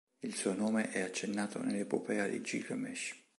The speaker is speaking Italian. Il suo nome è accennato nell'epopea di Gilgamesh.